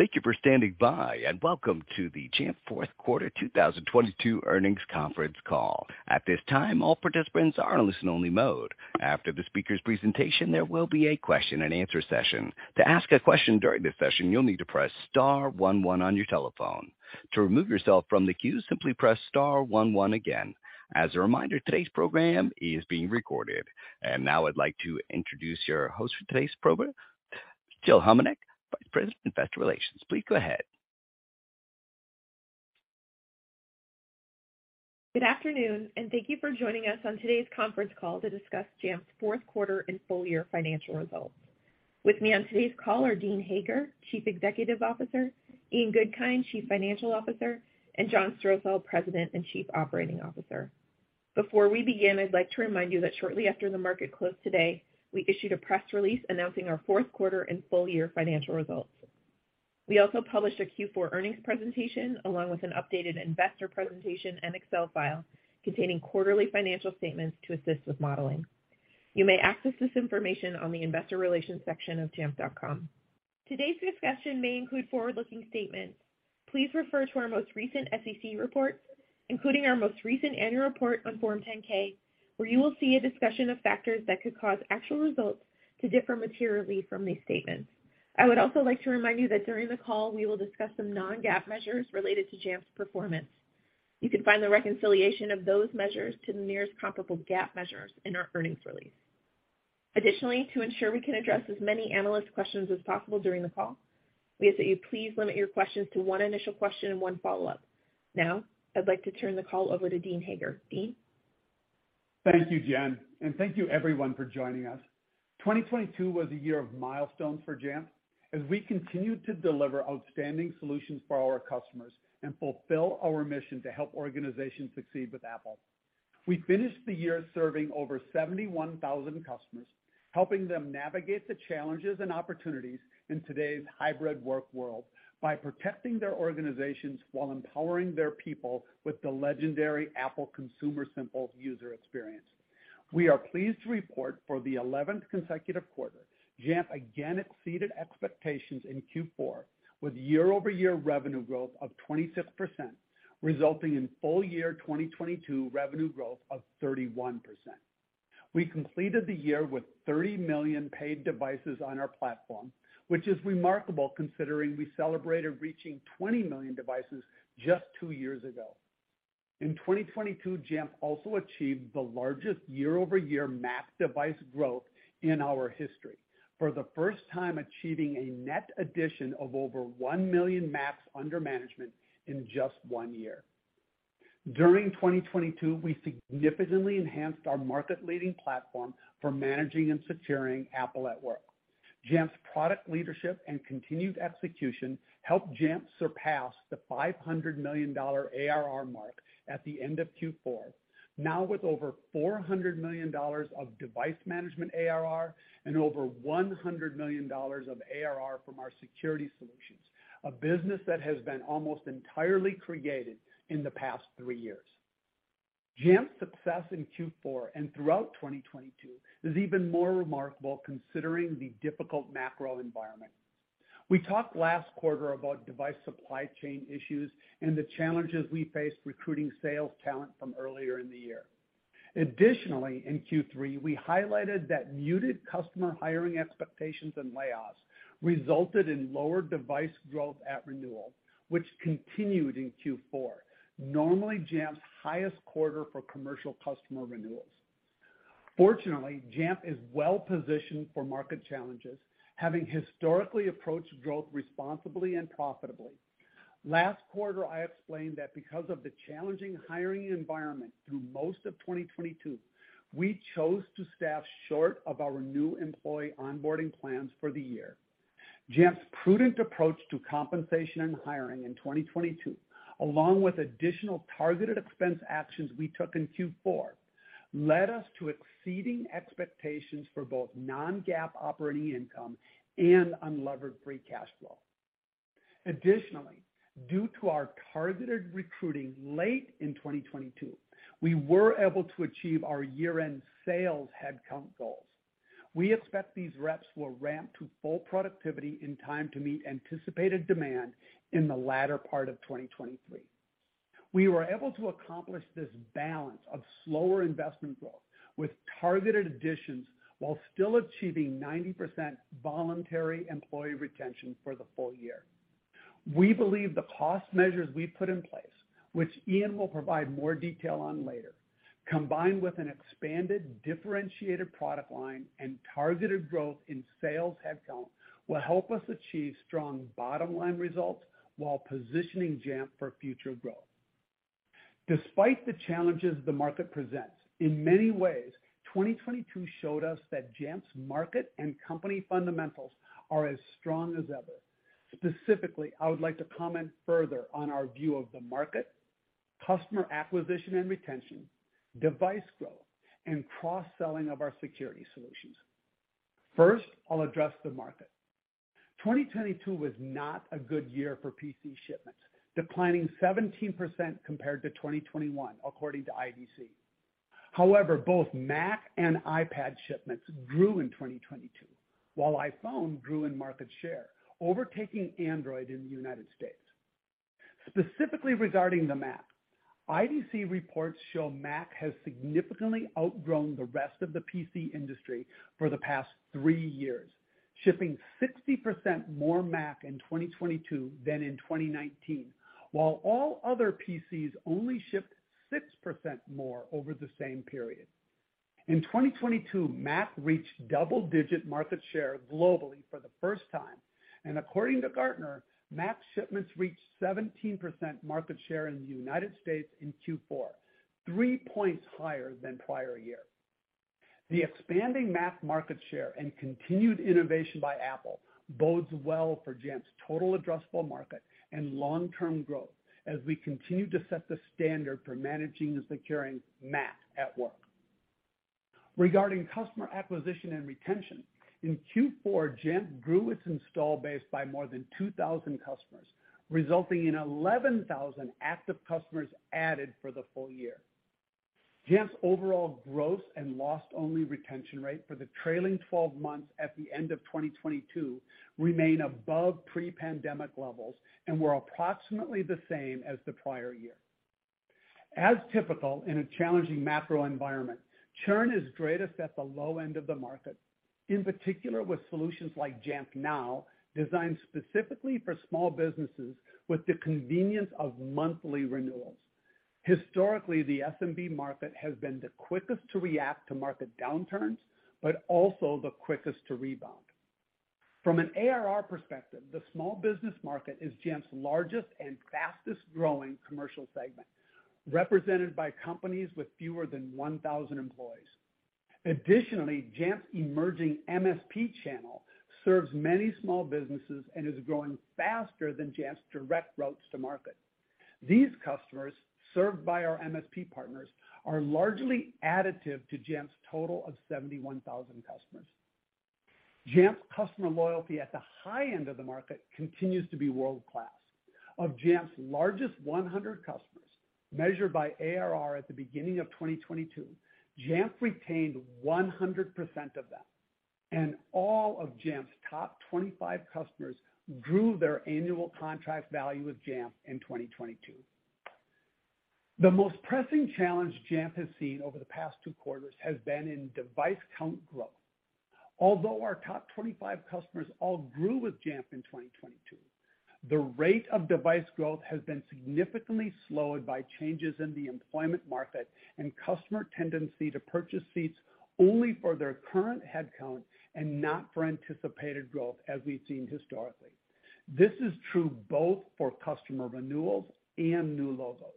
Thank you for standing by, welcome to the Jamf Q4 2022 earnings conference call. At this time, all participants are in listen only mode. After the speaker's presentation, there will be a question and answer session. To ask a question during this session, you'll need to press star one one on your telephone. To remove yourself from the queue, simply press star one one again. As a reminder, today's program is being recorded. Now I'd like to introduce your host for today's program, Jennifer Gaumond, Vice President, Investor Relations. Please go ahead. Good afternoon. Thank you for joining us on today's conference call to discuss Jamf's Q4 and full year financial results. With me on today's call are Dean Hager, Chief Executive Officer, Ian Goodkind, Chief Financial Officer, and John Strosahl, President and Chief Operating Officer. Before we begin, I'd like to remind you that shortly after the market closed today, we issued a press release announcing our Q4 and full year financial results. We also published a Q4 earnings presentation along with an updated investor presentation and Excel file containing quarterly financial statements to assist with modeling. You may access this information on the investor relations section of jamf.com. Today's discussion may include forward-looking statements. Please refer to our most recent SEC reports, including our most recent annual report on Form 10-K, where you will see a discussion of factors that could cause actual results to differ materially from these statements. I would also like to remind you that during the call we will discuss some non-GAAP measures related to Jamf's performance. You can find the reconciliation of those measures to the nearest comparable GAAP measures in our earnings release. Additionally, to ensure we can address as many analyst questions as possible during the call, we ask that you please limit your questions to one initial question and one follow-up. I'd like to turn the call over to Dean Hager. Dean. Thank you, Jen, and thank you everyone for joining us. 2022 was a year of milestones for Jamf as we continued to deliver outstanding solutions for our customers and fulfill our mission to help organizations succeed with Apple. We finished the year serving over 71,000 customers, helping them navigate the challenges and opportunities in today's hybrid work world by protecting their organizations while empowering their people with the legendary Apple consumer simple user experience. We are pleased to report for the eleventh consecutive quarter, Jamf again exceeded expectations in Q4 with year-over-year revenue growth of 26%, resulting in full year 2022 revenue growth of 31%. We completed the year with 30 million paid devices on our platform, which is remarkable considering we celebrated reaching 20 million devices just two years ago. In 2022, Jamf also achieved the largest year-over-year Mac device growth in our history. For the first time achieving a net addition of over one million Macs under management in just one year. During 2022, we significantly enhanced our market-leading platform for managing and securing Apple at work. Jamf's product leadership and continued execution helped Jamf surpass the $500 million ARR mark at the end of Q4. With over $400 million of device management ARR and over $100 million of ARR from our security solutions, a business that has been almost entirely created in the past three years. Jamf's success in Q4 and throughout 2022 is even more remarkable considering the difficult macro environment. We talked last quarter about device supply chain issues and the challenges we faced recruiting sales talent from earlier in the year. Additionally, in Q3 we highlighted that muted customer hiring expectations and layoffs resulted in lower device growth at renewal, which continued in Q4, normally Jamf's highest quarter for commercial customer renewals. Fortunately, Jamf is well-positioned for market challenges, having historically approached growth responsibly and profitably. Last quarter I explained that because of the challenging hiring environment through most of 2022, we chose to staff short of our new employee onboarding plans for the year. Jamf's prudent approach to compensation and hiring in 2022, along with additional targeted expense actions we took in Q4, led us to exceeding expectations for both non-GAAP operating income and unlevered free cash flow. Additionally, due to our targeted recruiting late in 2022, we were able to achieve our year-end sales headcount goals. We expect these reps will ramp to full productivity in time to meet anticipated demand in the latter part of 2023. We were able to accomplish this balance of slower investment growth with targeted additions while still achieving 90% voluntary employee retention for the full year. We believe the cost measures we put in place, which Ian will provide more detail on later, combined with an expanded differentiated product line and targeted growth in sales headcount, will help us achieve strong bottom line results while positioning Jamf for future growth. Despite the challenges the market presents, in many ways 2022 showed us that Jamf's market and company fundamentals are as strong as ever. Specifically, I would like to comment further on our view of the market, customer acquisition and retention, device growth, and cross-selling of our security solutions. First, I'll address the market. 2022 was not a good year for PC shipments, declining 17% compared to 2021, according to IDC. However, both Mac and iPad shipments grew in 2022, while iPhone grew in market share, overtaking Android in the United States. Specifically regarding the Mac, IDC reports show Mac has significantly outgrown the rest of the PC industry for the past three years, shipping 60% more Mac in 2022 than in 2019, while all other PCs only shipped 6% more over the same period. In 2022, Mac reached double-digit market share globally for the first time. According to Gartner, Mac shipments reached 17% market share in the United States in Q4, three points higher than prior year. The expanding Mac market share and continued innovation by Apple bodes well for Jamf's total addressable market and long-term growth as we continue to set the standard for managing and securing Mac at work. Regarding customer acquisition and retention, in Q4, Jamf grew its install base by more than 2,000 customers, resulting in 11,000 active customers added for the full year. Jamf's overall gross and lost only retention rate for the trailing twelve months at the end of 2022 remain above pre-pandemic levels and were approximately the same as the prior year. As typical in a challenging macro environment, churn is greatest at the low end of the market, in particular with solutions like Jamf Now, designed specifically for small businesses with the convenience of monthly renewals. Historically, the SMB market has been the quickest to react to market downturns, but also the quickest to rebound. From an ARR perspective, the small business market is Jamf's largest and fastest-growing commercial segment, represented by companies with fewer than 1,000 employees. Additionally, Jamf's emerging MSP channel serves many small businesses and is growing faster than Jamf's direct routes to market. These customers, served by our MSP partners, are largely additive to Jamf's total of 71,000 customers. Jamf's customer loyalty at the high end of the market continues to be world-class. Of Jamf's largest 100 customers, measured by ARR at the beginning of 2022, Jamf retained 100% of them, and all of Jamf's top 25 customers grew their annual contract value with Jamf in 2022. The most pressing challenge Jamf has seen over the past two quarters has been in device count growth. Our top 25 customers all grew with Jamf in 2022, the rate of device growth has been significantly slowed by changes in the employment market and customer tendency to purchase seats only for their current headcount and not for anticipated growth as we've seen historically. This is true both for customer renewals and new logos.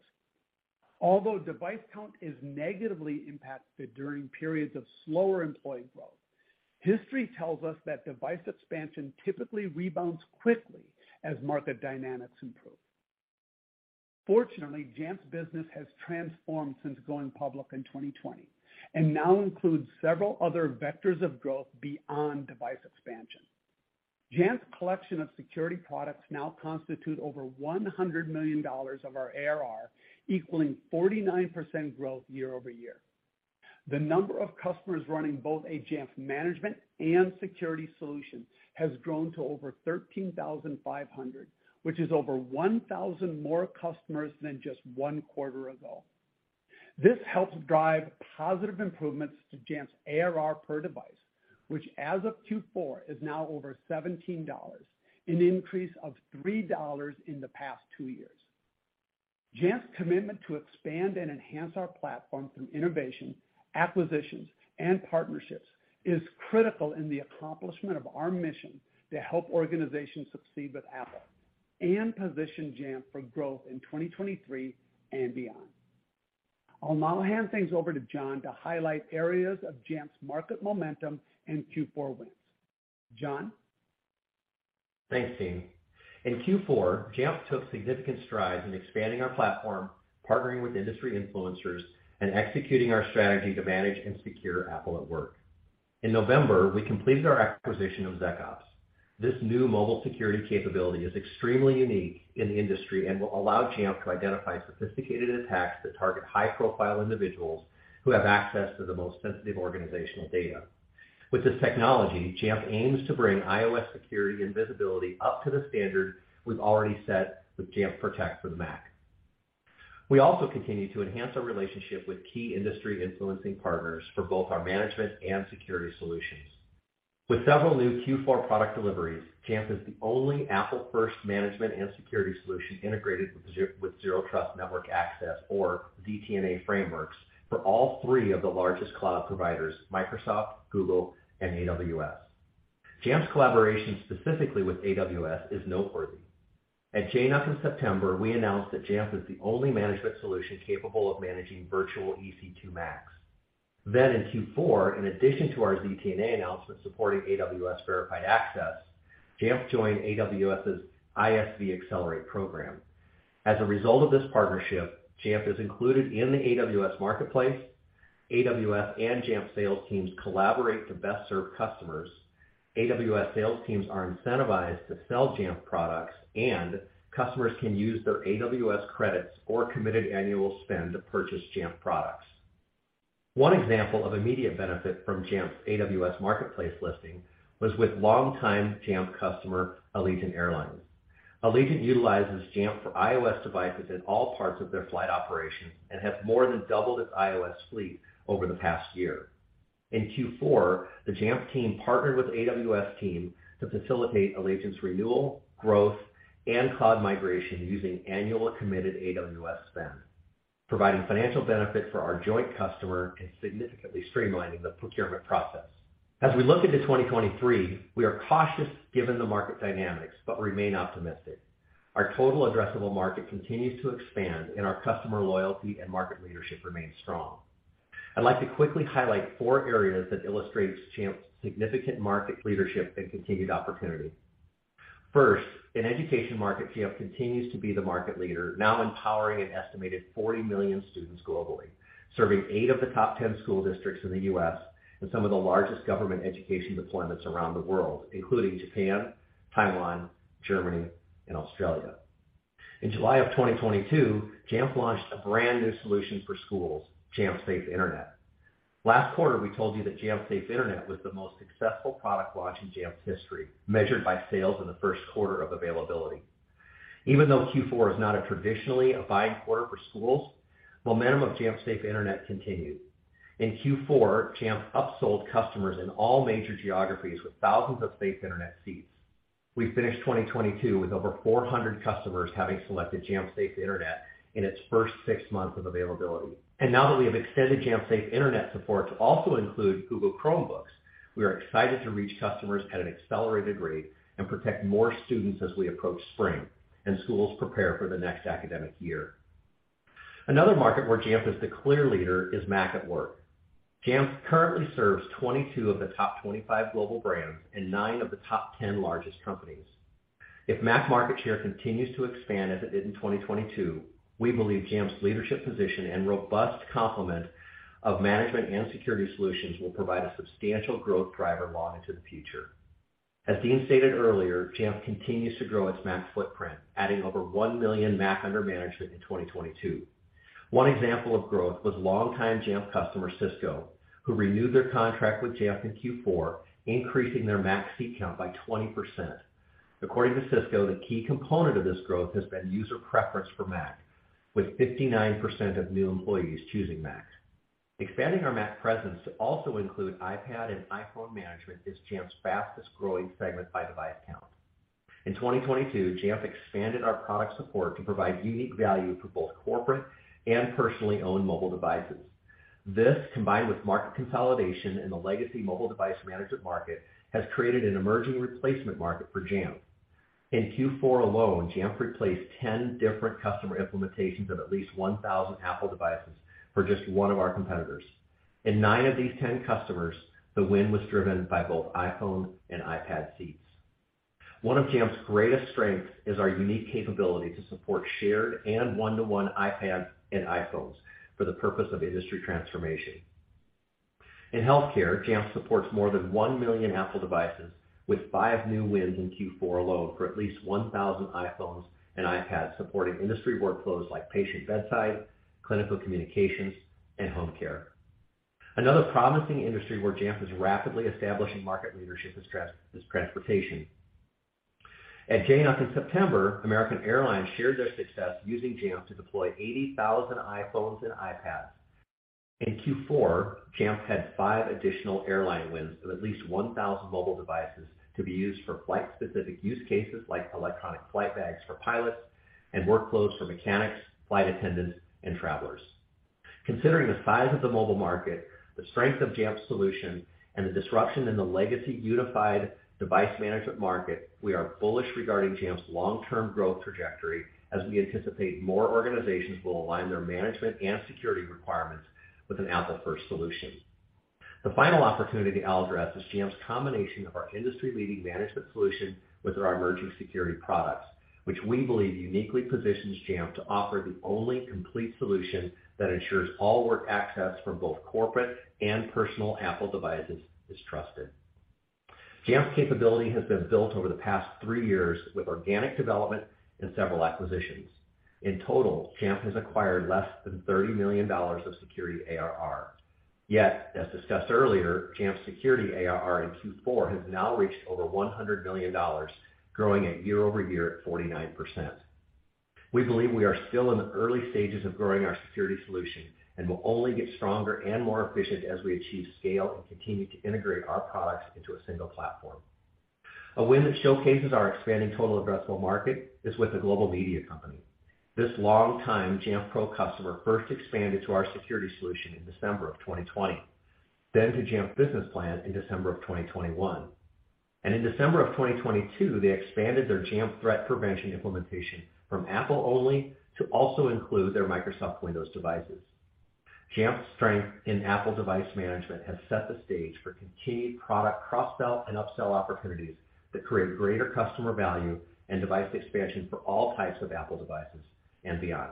Device count is negatively impacted during periods of slower employee growth, history tells us that device expansion typically rebounds quickly as market dynamics improve. Fortunately, Jamf's business has transformed since going public in 2020 and now includes several other vectors of growth beyond device expansion. Jamf's collection of security products now constitute over $100 million of our ARR, equaling 49% growth year-over-year. The number of customers running both a Jamf management and security solution has grown to over 13,500, which is over 1,000 more customers than just one quarter ago. This helps drive positive improvements to Jamf's ARR per device, which as of Q4 is now over $17, an increase of $3 in the past two years. Jamf's commitment to expand and enhance our platform through innovation, acquisitions, and partnerships is critical in the accomplishment of our mission to help organizations succeed with Apple and position Jamf for growth in 2023 and beyond. I'll now hand things over to John to highlight areas of Jamf's market momentum and Q4 wins. John? Thanks, Dean. In Q4, Jamf took significant strides in expanding our platform, partnering with industry influencers, and executing our strategy to manage and secure Apple at work. In November, we completed our acquisition of ZecOps. This new mobile security capability is extremely unique in the industry and will allow Jamf to identify sophisticated attacks that target high-profile individuals who have access to the most sensitive organizational data. With this technology, Jamf aims to bring iOS security and visibility up to the standard we've already set with Jamf Protect for the Mac. We also continue to enhance our relationship with key industry influencing partners for both our management and security solutions. With several new Q4 product deliveries, Jamf is the only Apple first management and security solution integrated with Zero Trust network access or ZTNA frameworks for all three of the largest cloud providers: Microsoft, Google, and AWS. Jamf's collaboration specifically with AWS is noteworthy. At JNUC in September, we announced that Jamf is the only management solution capable of managing virtual EC2 Macs. In Q4, in addition to our ZTNA announcement supporting AWS Verified Access, Jamf joined AWS's ISV Accelerate Program. As a result of this partnership, Jamf is included in the AWS Marketplace. AWS and Jamf sales teams collaborate to best serve customers. AWS sales teams are incentivized to sell Jamf products, and customers can use their AWS credits or committed annual spend to purchase Jamf products. One example of immediate benefit from Jamf's AWS Marketplace listing was with longtime Jamf customer, Allegiant Air. Allegiant utilizes Jamf for iOS devices in all parts of their flight operations and have more than doubled its iOS fleet over the past year. In Q4, the Jamf team partnered with AWS team to facilitate Allegiant's renewal, growth, and cloud migration using annual committed AWS spend, providing financial benefit for our joint customer and significantly streamlining the procurement process. As we look into 2023, we are cautious given the market dynamics, but remain optimistic. Our total addressable market continues to expand, our customer loyalty and market leadership remain strong. I'd like to quickly highlight four areas that illustrates Jamf's significant market leadership and continued opportunity. First, in education market, Jamf continues to be the market leader, now empowering an estimated 40 million students globally, serving eight of the top 10 school districts in the U.S. and some of the largest government education deployments around the world, including Japan, Taiwan, Germany, and Australia. In July of 2022, Jamf launched a brand-new solution for schools, Jamf Safe Internet. Last quarter, we told you that Jamf Safe Internet was the most successful product launch in Jamf's history, measured by sales in the Q1 of availability. Even though Q4 is not a traditionally a buying quarter for schools, momentum of Jamf Safe Internet continued. In Q4, Jamf upsold customers in all major geographies with thousands of Safe Internet seats. We finished 2022 with over 400 customers having selected Jamf Safe Internet in its first six months of availability. Now that we have extended Jamf Safe Internet support to also include Google Chromebooks, we are excited to reach customers at an accelerated rate and protect more students as we approach spring and schools prepare for the next academic year. Another market where Jamf is the clear leader is Mac at work. Jamf currently serves 22 of the top 25 global brands and nine of the top 10 largest companies. If Mac market share continues to expand as it did in 2022, we believe Jamf's leadership position and robust complement of management and security solutions will provide a substantial growth driver long into the future. As Dean stated earlier, Jamf continues to grow its Mac footprint, adding over one million Mac under management in 2022. One example of growth was longtime Jamf customer, Cisco, who renewed their contract with Jamf in Q4, increasing their Mac seat count by 20%. According to Cisco, the key component of this growth has been user preference for Mac, with 59% of new employees choosing Macs. Expanding our Mac presence to also include iPad and iPhone management is Jamf's fastest-growing segment by device count. In 2022, Jamf expanded our product support to provide unique value for both corporate and personally owned mobile devices. This, combined with market consolidation in the legacy mobile device management market, has created an emerging replacement market for Jamf. In Q4 alone, Jamf replaced 10 different customer implementations of at least 1,000 Apple devices for just one of our competitors. In nine of these 10 customers, the win was driven by both iPhone and iPad seats. One of Jamf's greatest strengths is our unique capability to support shared and one-to-one iPads and iPhones for the purpose of industry transformation. In healthcare, Jamf supports more than one million Apple devices with five new wins in Q4 alone for at least 1,000 iPhones and iPads supporting industry workflows like patient bedside, clinical communications, and home care. Another promising industry where Jamf is rapidly establishing market leadership is transportation. At JNUC in September, American Airlines shared their success using Jamf to deploy 80,000 iPhones and iPads. In Q4, Jamf had five additional airline wins of at least 1,000 mobile devices to be used for flight-specific use cases like electronic flight bags for pilots and workflows for mechanics, flight attendants, and travelers. Considering the size of the mobile market, the strength of Jamf's solution, and the disruption in the legacy unified device management market, we are bullish regarding Jamf's long-term growth trajectory as we anticipate more organizations will align their management and security requirements with an Apple first solution. The final opportunity I'll address is Jamf's combination of our industry-leading management solution with our emerging security products, which we believe uniquely positions Jamf to offer the only complete solution that ensures all work access from both corporate and personal Apple devices is trusted. Jamf's capability has been built over the past three years with organic development and several acquisitions. In total, Jamf has acquired less than $30 million of security ARR. As discussed earlier, Jamf's security ARR in Q4 has now reached over $100 million, growing at year-over-year at 49%. We believe we are still in the early stages of growing our security solution and will only get stronger and more efficient as we achieve scale and continue to integrate our products into a single platform. A win that showcases our expanding total addressable market is with a global media company. This longtime Jamf Pro customer first expanded to our security solution in December of 2020, to Jamf Business Plan in December of 2021. In December of 2022, they expanded their Jamf threat prevention implementation from Apple-only to also include their Microsoft Windows devices. Jamf's strength in Apple device management has set the stage for continued product cross-sell and upsell opportunities that create greater customer value and device expansion for all types of Apple devices and beyond.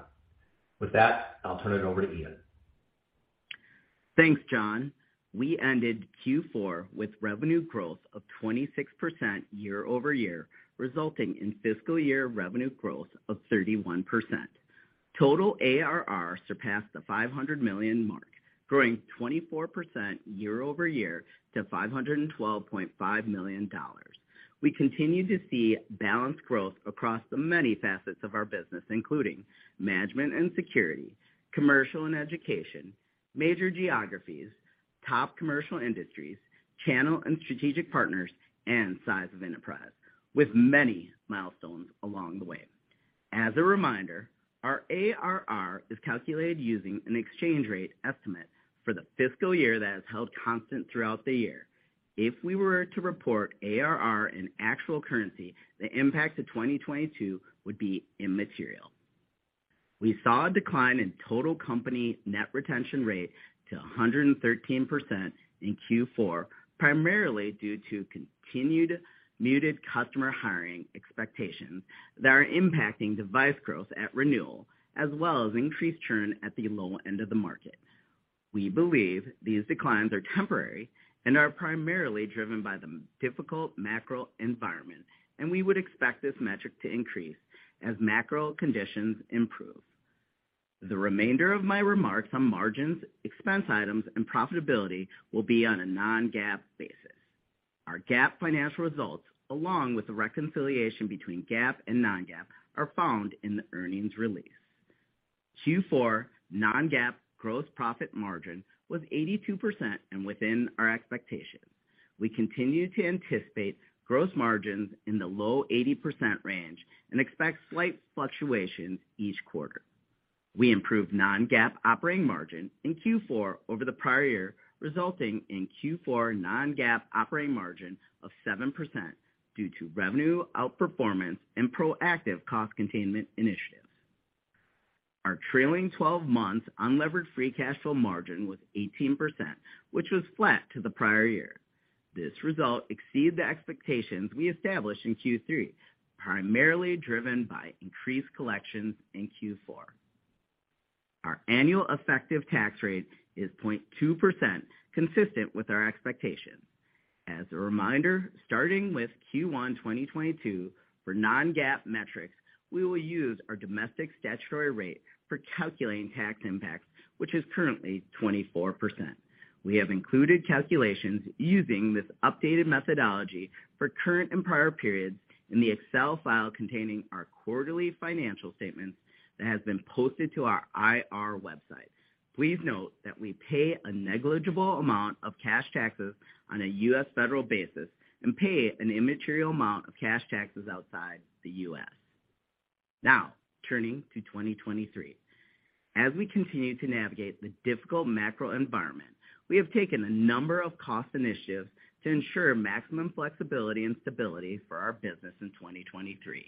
With that, I'll turn it over to Ian. Thanks, John. We ended Q4 with revenue growth of 26% year-over-year, resulting in fiscal year revenue growth of 31%. Total ARR surpassed the $500 million mark, growing 24% year-over-year to $512.5 million. We continue to see balanced growth across the many facets of our business, including management and security, commercial and education, major geographies, top commercial industries, channel and strategic partners, and size of enterprise, with many milestones along the way. As a reminder, our ARR is calculated using an exchange rate estimate for the fiscal year that is held constant throughout the year. If we were to report ARR in actual currency, the impact to 2022 would be immaterial. We saw a decline in total company Net Retention Rate to 113% in Q4, primarily due to continued muted customer hiring expectations that are impacting device growth at renewal as well as increased churn at the low end of the market. We believe these declines are temporary and are primarily driven by the difficult macro environment. We would expect this metric to increase as macro conditions improve. The remainder of my remarks on margins, expense items, and profitability will be on a non-GAAP basis. Our GAAP financial results, along with the reconciliation between GAAP and non-GAAP, are found in the earnings release. Q4 non-GAAP gross profit margin was 82% and within our expectations. We continue to anticipate gross margins in the low 80% range and expect slight fluctuations each quarter. We improved non-GAAP operating margin in Q4 over the prior year, resulting in Q4 non-GAAP operating margin of 7% due to revenue outperformance and proactive cost containment initiatives. Our trailing 12 months unlevered free cash flow margin was 18%, which was flat to the prior year. This result exceeded the expectations we established in Q3, primarily driven by increased collections in Q4. Our annual effective tax rate is 0.2%, consistent with our expectations. As a reminder, starting with Q1 2022, for non-GAAP metrics, we will use our domestic statutory rate for calculating tax impacts, which is currently 24%. We have included calculations using this updated methodology for current and prior periods in the Excel file containing our quarterly financial statements that has been posted to our IR website. Please note that we pay a negligible amount of cash taxes on a U.S. federal basis and pay an immaterial amount of cash taxes outside the U.S. Turning to 2023. As we continue to navigate the difficult macro environment, we have taken a number of cost initiatives to ensure maximum flexibility and stability for our business in 2023.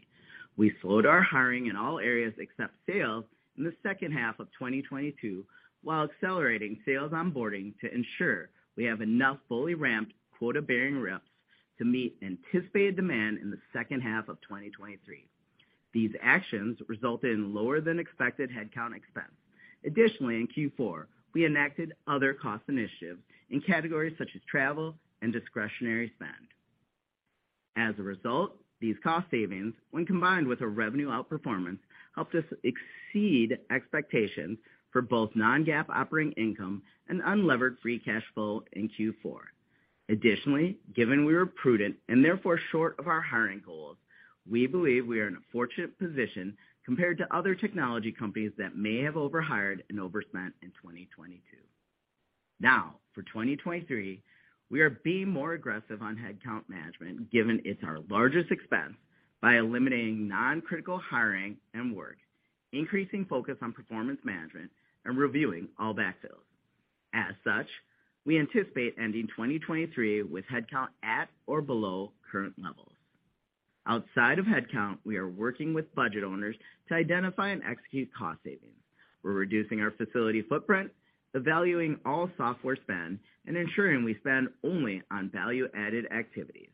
We slowed our hiring in all areas except sales in the second half of 2022, while accelerating sales onboarding to ensure we have enough fully ramped quota-bearing reps to meet anticipated demand in the second half of 2023. These actions resulted in lower than expected headcount expense. Additionally, in Q4, we enacted other cost initiatives in categories such as travel and discretionary spend. These cost savings, when combined with a revenue outperformance, helped us exceed expectations for both non-GAAP operating income and unlevered free cash flow in Q4. Given we were prudent and therefore short of our hiring goals, we believe we are in a fortunate position compared to other technology companies that may have overhired and overspent in 2022. For 2023, we are being more aggressive on headcount management, given it's our largest expense by eliminating non-critical hiring and work, increasing focus on performance management, and reviewing all backfills. We anticipate ending 2023 with headcount at or below current levels. Outside of headcount, we are working with budget owners to identify and execute cost savings. We're reducing our facility footprint, evaluating all software spend, and ensuring we spend only on value-added activities.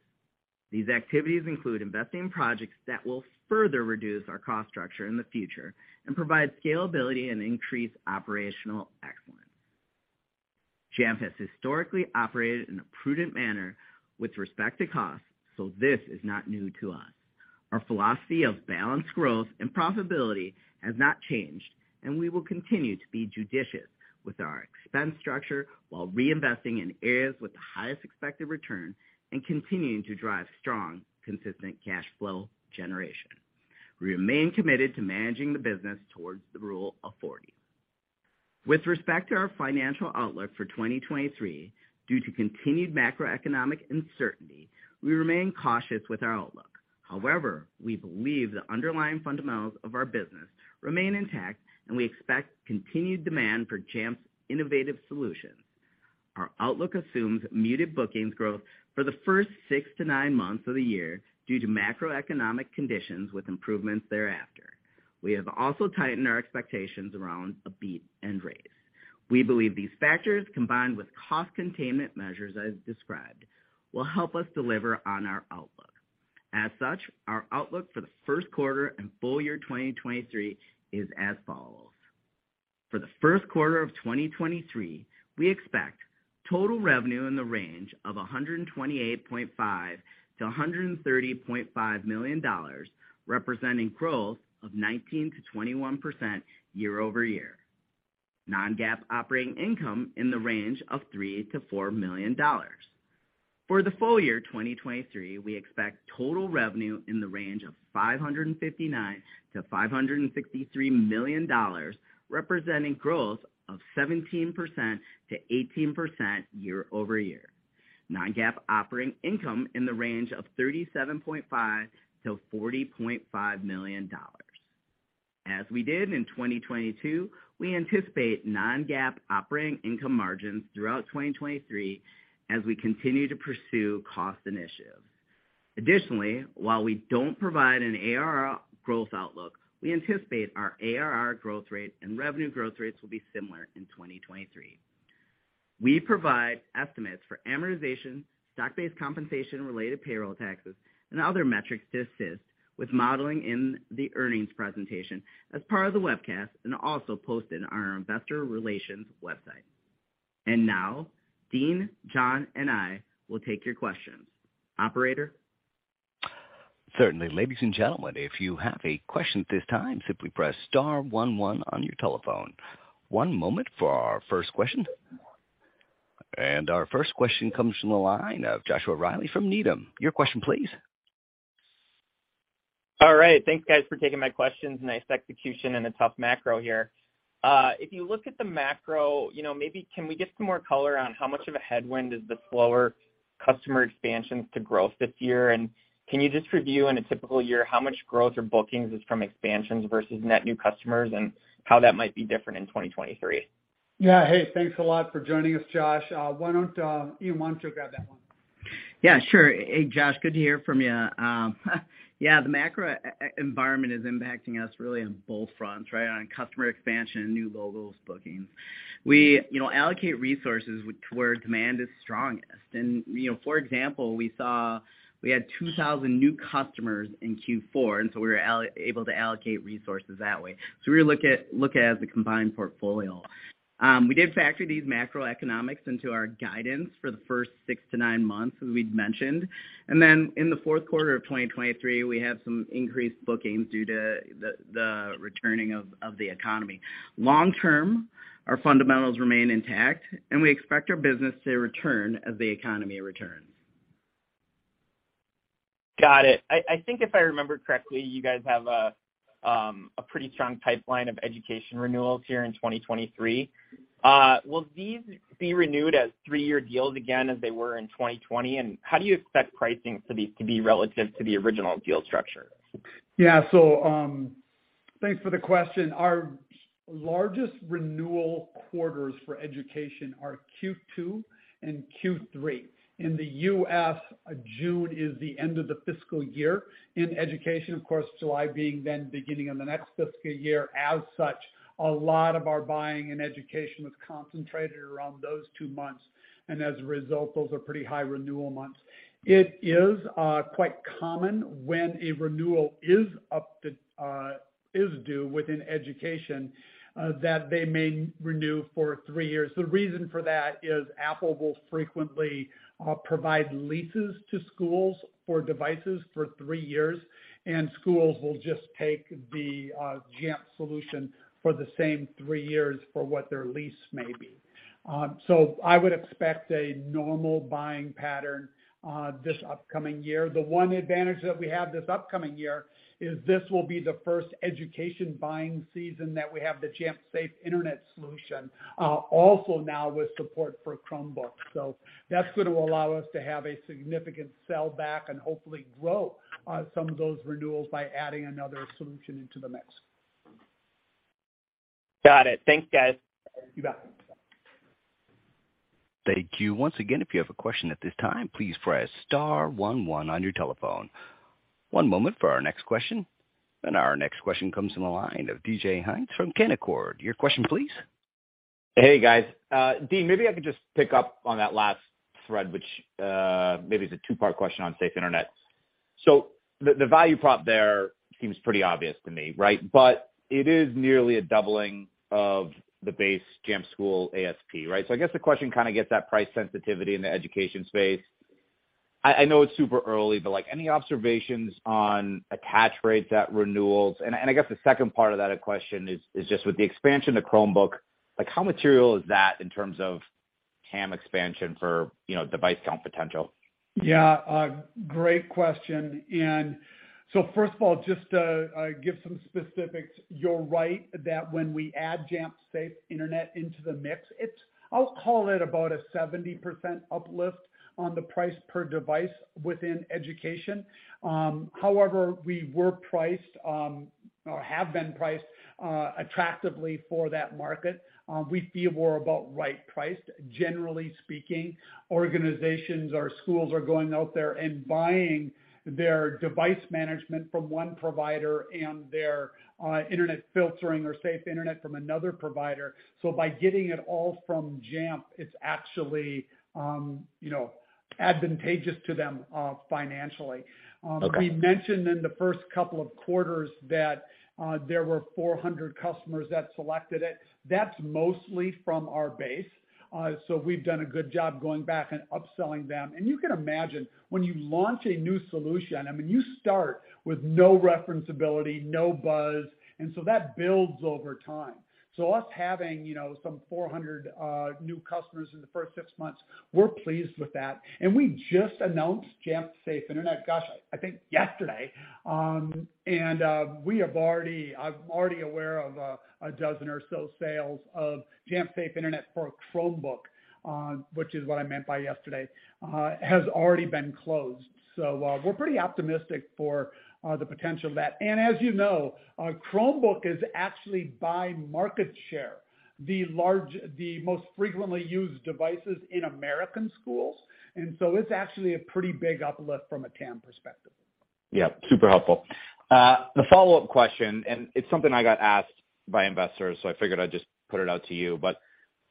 These activities include investing in projects that will further reduce our cost structure in the future and provide scalability and increase operational excellence. Jamf has historically operated in a prudent manner with respect to cost, this is not new to us. Our philosophy of balanced growth and profitability has not changed, we will continue to be judicious with our expense structure while reinvesting in areas with the highest expected return and continuing to drive strong, consistent cash flow generation. We remain committed to managing the business towards the Rule of 40. With respect to our financial outlook for 2023, due to continued macroeconomic uncertainty, we remain cautious with our outlook. However, we believe the underlying fundamentals of our business remain intact, we expect continued demand for Jamf's innovative solutions. Our outlook assumes muted bookings growth for the first six to nine months of the year due to macroeconomic conditions with improvements thereafter. We have also tightened our expectations around a beat and raise. We believe these factors, combined with cost containment measures as described, will help us deliver on our outlook. Our outlook for the Q1 and full year 2023 is as follows. For the Q1 of 2023, we expect total revenue in the range of $128.5 million-$130.5 million, representing growth of 19%-21% year-over-year. Non-GAAP operating income in the range of $3 million-$4 million. For the full year 2023, we expect total revenue in the range of $559 million-$563 million, representing growth of 17%-18% year-over-year. Non-GAAP operating income in the range of $37.5 million-$40.5 million. As we did in 2022, we anticipate non-GAAP operating income margins throughout 2023 as we continue to pursue cost initiatives. Additionally, while we don't provide an ARR growth outlook, we anticipate our ARR growth rate and revenue growth rates will be similar in 2023. We provide estimates for amortization, stock-based compensation-related payroll taxes, and other metrics to assist with modeling in the earnings presentation as part of the webcast and also posted on our investor relations website. Now Dean, John, and I will take your questions. Operator. Certainly. Ladies and gentlemen, if you have a question at this time, simply press star one one on your telephone. One moment for our first question. Our first question comes from the line of Joshua Reilly from Needham. Your question please. All right. Thanks, guys, for taking my questions. Nice execution in a tough macro here. If you look at the macro, you know, maybe can we get some more color on how much of a headwind is the slower customer expansions to growth this year? Can you just review, in a typical year, how much growth or bookings is from expansions versus net new customers and how that might be different in 2023? Yeah. Hey, thanks a lot for joining us, Josh. Why don't, Ian, why don't you grab that one? Yeah, sure. Hey, Josh, good to hear from you. Yeah, the macro e-environment is impacting us really on both fronts, right, on customer expansion and new logos bookings. We, you know, allocate resources to where demand is strongest. You know, for example, we saw we had 2,000 new customers in Q4, we were able to allocate resources that way. We look at it as a combined portfolio. We did factor these macroeconomics into our guidance for the first six to nine months, as we'd mentioned. In the Q4 of 2023, we have some increased bookings due to the returning of the economy. Long term, our fundamentals remain intact, and we expect our business to return as the economy returns. Got it. I think if I remember correctly, you guys have a pretty strong pipeline of education renewals here in 2023. Will these be renewed as three year deals again as they were in 2020? How do you expect pricing to be relative to the original deal structure? Thanks for the question. Our largest renewal quarters for education are Q2 and Q3. In the U.S., June is the end of the fiscal year in education, of course, July being then beginning of the next fiscal year. As such, a lot of our buying in education was concentrated around those two months, and as a result, those are pretty high renewal months. It is quite common when a renewal is due within education that they may renew for three years. The reason for that is Apple will frequently provide leases to schools for devices for three years, and schools will just take the Jamf solution for the same three years for what their lease may be. I would expect a normal buying pattern this upcoming year. The one advantage that we have this upcoming year is this will be the first education buying season that we have the Jamf Safe Internet solution, also now with support for Chromebook. That's going to allow us to have a significant sell back and hopefully grow some of those renewals by adding another solution into the mix. Got it. Thanks, guys. You bet. Thank you. Once again, if you have a question at this time, please press star one one on your telephone. One moment for our next question. Our next question comes from the line of DJ Hynes from Canaccord. Your question please. Hey, guys. Dean, maybe I could just pick up on that last thread, which maybe is a two-part question on Jamf Safe Internet. the value prop there seems pretty obvious to me, right? it is nearly a doubling of the base Jamf School ASP, right? I guess the question kinda gets that price sensitivity in the education space. I know it's super early, but, like, any observations on attach rates at renewals? I guess the second part of that question is just with the expansion to Chromebook, like how material is that in terms of TAM expansion for, you know, device count potential? Yeah. great question. First of all, just to give some specifics, you're right that when we add Jamf Safe Internet into the mix, I'll call it about a 70% uplift on the price per device within education. However, we were priced, or have been priced, attractively for that market. We feel we're about right-priced. Generally speaking, organizations or schools are going out there and buying their device management from one provider and their internet filtering or safe internet from another provider. By getting it all from Jamf, it's actually, you know, advantageous to them, financially. Okay. We mentioned in the first couple of quarters that there were 400 customers that selected it. That's mostly from our base. We've done a good job going back and upselling them. You can imagine, when you launch a new solution, I mean, you start with no reference ability, no buzz, that builds over time. Us having, you know, some 400 new customers in the first six months, we're pleased with that. We just announced Jamf Safe Internet, gosh, I think yesterday. I'm already aware of a dozen or so sales of Jamf Safe Internet for Chromebook, which is what I meant by yesterday, has already been closed. We're pretty optimistic for the potential of that. As you know, Chromebook is actually by market share, the most frequently used devices in American schools. It's actually a pretty big uplift from a TAM perspective. Yeah, super helpful. The follow-up question, it's something I got asked by investors, so I figured I'd just put it out to you.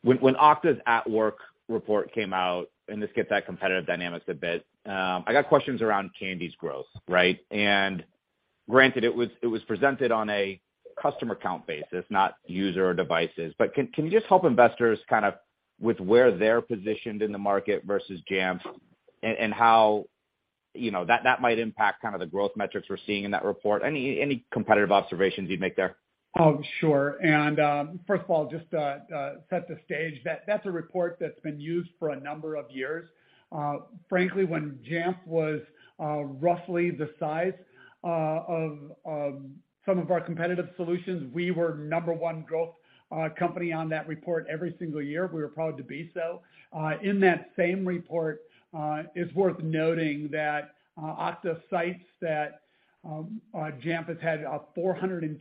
When, when Okta's at-work report came out, this gets at competitive dynamics a bit, I got questions around Kandji's growth, right? Granted, it was presented on a customer count basis, not user or devices. Can you just help investors kind of with where they're positioned in the market versus Jamf and how, you know, that might impact kind of the growth metrics we're seeing in that report? Any competitive observations you'd make there? Oh, sure. First of all, just to set the stage, that's a report that's been used for a number of years. Frankly, when Jamf was roughly the size of some of our competitive solutions, we were number one growth company on that report every single year. We were proud to be so. In that same report, it's worth noting that Okta cites that Jamf has had a 428%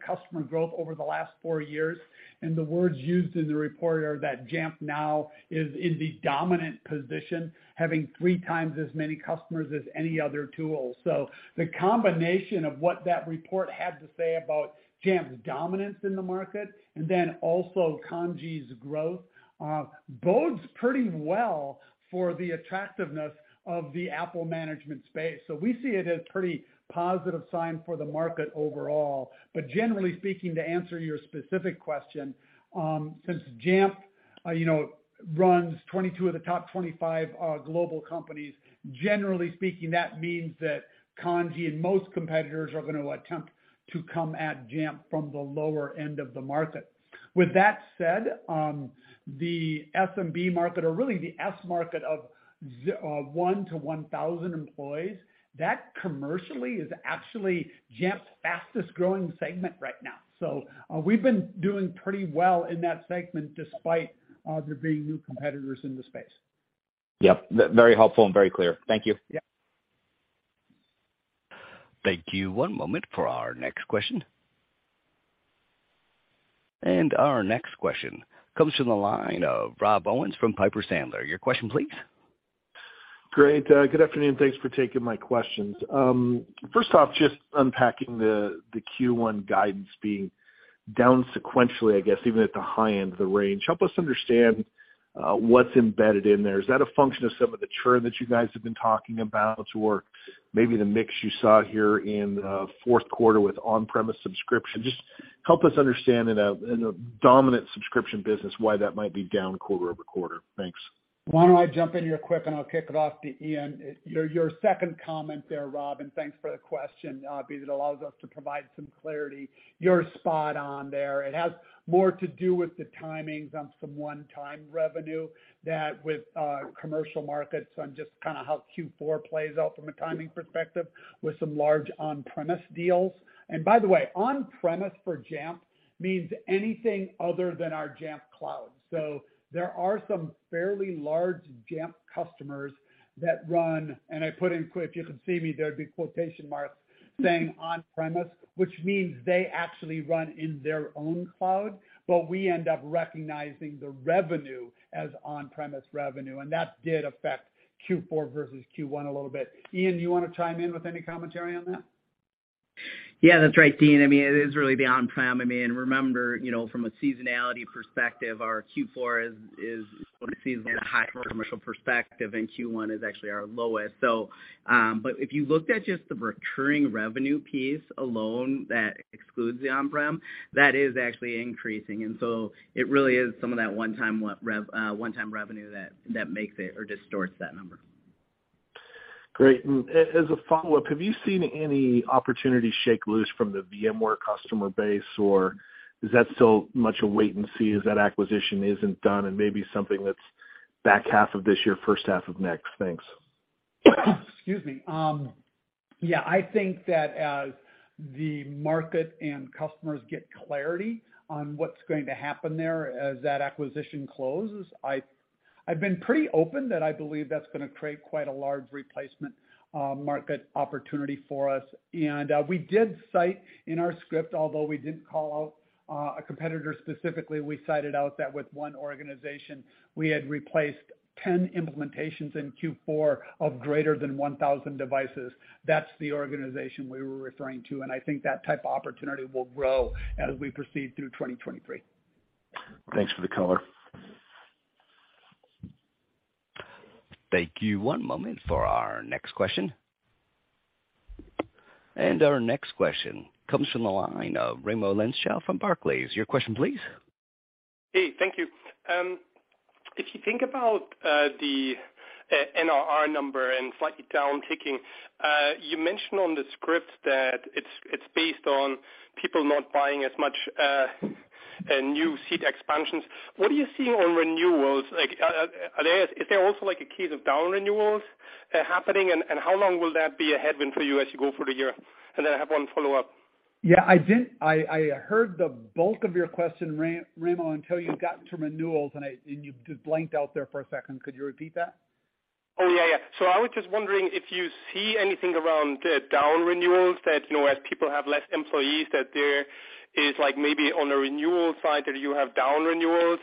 customer growth over the last four years. The words used in the report are that Jamf now is in the dominant position, having three times as many customers as any other tool. The combination of what that report had to say about Jamf's dominance in the market and then also Kandji's growth bodes pretty well for the attractiveness of the Apple management space. We see it as pretty positive sign for the market overall. Generally speaking, to answer your specific question, since Jamf, you know, runs 22 of the top 25 global companies, generally speaking, that means that Kandji and most competitors are gonna attempt to come at Jamf from the lower end of the market. With that said, the SMB market or really the S market of one to 1,000 employees, that commercially is actually Jamf's fastest-growing segment right now. We've been doing pretty well in that segment despite there being new competitors in the space. Yep. Very helpful and very clear. Thank you. Yeah. Thank you. One moment for our next question. Our next question comes from the line of Rob Owens from Piper Sandler. Your question, please. Great. Good afternoon. Thanks for taking my questions. First off, just unpacking the Q1 guidance being down sequentially, I guess, even at the high end of the range. Help us understand what's embedded in there. Is that a function of some of the churn that you guys have been talking about, or maybe the mix you saw here in Q4 with on-premise subscription? Just help us understand in a dominant subscription business why that might be down quarter-over-quarter. Thanks. Why don't I jump in here quick and I'll kick it off to Ian. Your second comment there, Rob, thanks for the question, because it allows us to provide some clarity. You're spot on there. It has more to do with the timings on some one-time revenue that with commercial markets on just kind of how Q4 plays out from a timing perspective with some large on-premise deals. By the way, on-premise for Jamf means anything other than our Jamf Cloud. There are some fairly large Jamf customers that run, and I put in quote, if you could see me, there'd be quotation marks saying on-premise, which means they actually run in their own cloud, but we end up recognizing the revenue as on-premise revenue, and that did affect Q4 versus Q1 a little bit. Ian, do you wanna chime in with any commentary on that? Yeah, that's right, Dean. I mean, it is really the on-prem. I mean, remember, you know, from a seasonality perspective, our Q4 is when it sees the high commercial perspective, and Q1 is actually our lowest. If you looked at just the recurring revenue piece alone that excludes the on-prem, that is actually increasing. It really is some of that one-time revenue that makes it or distorts that number. Great. As a follow-up, have you seen any opportunities shake loose from the VMware customer base or is that still much a wait and see as that acquisition isn't done and maybe something that's back half of this year, first half of next? Thanks. Excuse me. Yeah, I think that as the market and customers get clarity on what's going to happen there as that acquisition closes, I've been pretty open that I believe that's gonna create quite a large replacement market opportunity for us. We did cite in our script, although we didn't call out a competitor specifically, we cited out that with one organization, we had replaced 10 implementations in Q4 of greater than 1,000 devices. That's the organization we were referring to. I think that type of opportunity will grow as we proceed through 2023. Thanks for the color. Thank you. One moment for our next question. Our next question comes from the line of Raimo Lenschow from Barclays. Your question please. Hey, thank you. If you think about the NRR number and slightly down ticking, you mentioned on the script that it's based on people not buying as much new seat expansions. What are you seeing on renewals? Like, are they, is there also like a case of down renewals happening, and how long will that be a headwind for you as you go through the year? I have one follow-up. Yeah, I heard the bulk of your question Remo, until you got to renewals, and you just blanked out there for a second. Could you repeat that? Oh, yeah. I was just wondering if you see anything around down renewals that, you know, as people have less employees, that there is like maybe on a renewal side that you have down renewals.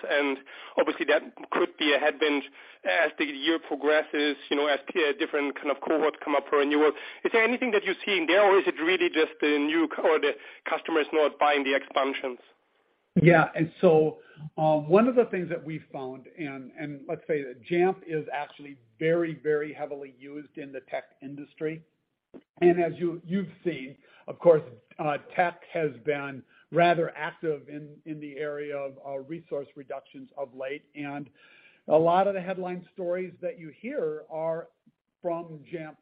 Obviously that could be a headwind as the year progresses, you know, as different kind of cohorts come up for renewal. Is there anything that you're seeing there or is it really just the new or the customers not buying the expansions? Yeah. One of the things that we found, and let's say that Jamf is actually very heavily used in the tech industry. As you've seen, of course, tech has been rather active in the area of resource reductions of late. A lot of the headline stories that you hear are from Jamf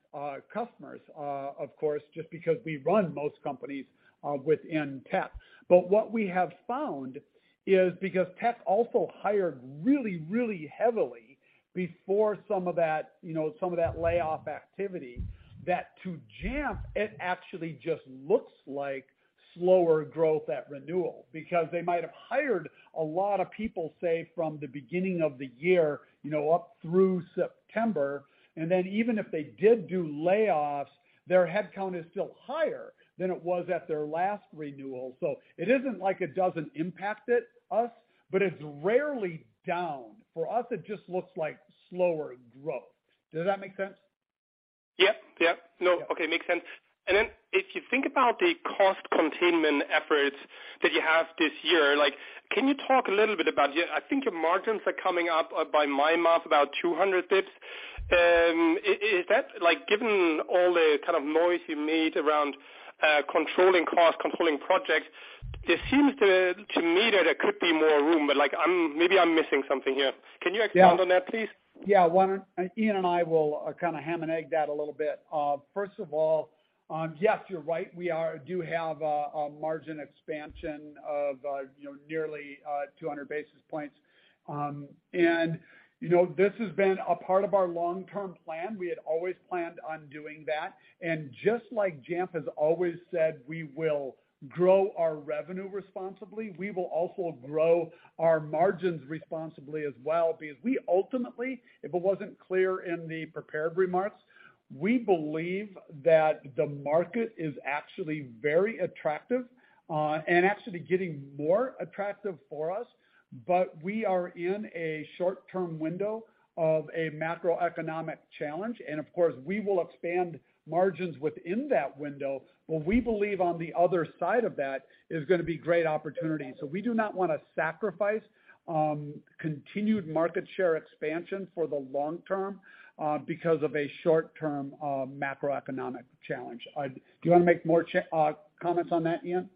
customers, of course, just because we run most companies within tech. What we have found is because tech also hired really heavily before some of that, you know, layoff activity, that to Jamf, it actually just looks like slower growth at renewal. They might have hired a lot of people, say, from the beginning of the year, you know, up through September, and then even if they did do layoffs, their headcount is still higher than it was at their last renewal. It isn't like it doesn't impact it, us, but it's rarely down. For us, it just looks like slower growth. Does that make sense? Yep. No. Okay. Makes sense. If you think about the cost containment efforts that you have this year, like, can you talk a little bit about your, I think your margins are coming up, by my math, about 200 basis points. Is that like, given all the kind of noise you made around controlling costs, controlling projects, there seems to me that there could be more room, but maybe I'm missing something here. Can you expand on that, please? Yeah. Yeah. Why don't Ian and I will kind of ham and egg that a little bit. First of all, yes, you're right, we are, do have a margin expansion of, you know, nearly 200 basis points. You know, this has been a part of our long-term plan. We had always planned on doing that. Just like Jamf has always said, we will grow our revenue responsibly, we will also grow our margins responsibly as well. We ultimately, if it wasn't clear in the prepared remarks, we believe that the market is actually very attractive, and actually getting more attractive for us. We are in a short-term window of a macroeconomic challenge, and of course, we will expand margins within that window. We believe on the other side of that is gonna be great opportunities. We do not want to sacrifice, continued market share expansion for the long term, because of a short term, macroeconomic challenge. Do you want to make more comments on that, Ian?